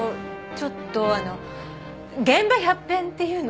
ちょっとあの現場百遍っていうの？